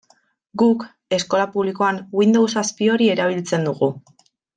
Guk, eskola publikoan, Windows zazpi hori erabiltzen dugu.